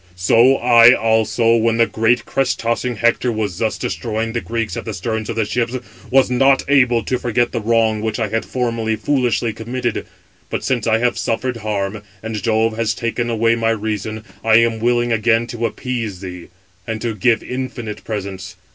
"So I also, when the great crest tossing Hector was thus 629 destroying the Greeks at the sterns of the ships, was not able to forget the wrong which I had formerly foolishly committed. But since I have suffered harm, and Jove has taken away my reason, I am willing again to appease thee, and to give infinite presents.